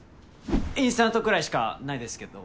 インスタントくらいしかないですけど。